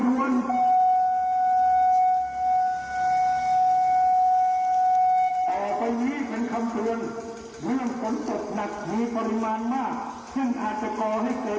ซึ่งปพออกประกาศเตือนด่วนนะครับระดับน้ำในแม่น้ำน่านจะสูงขึ้นครับ